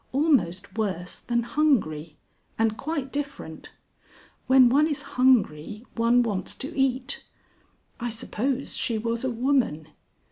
"Almost worse than Hungry, and quite different. When one is hungry one wants to eat. I suppose she was a woman.